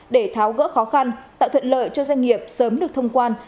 để tháo gỡ khó khăn tạo thuận lợi cho doanh nghiệp sớm được thông quan